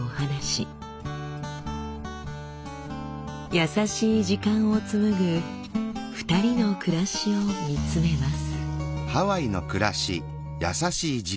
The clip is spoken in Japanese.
優しい時間を紡ぐ２人の暮らしを見つめます。